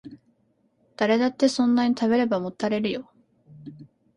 誰だってそんなに食べればもたれるよ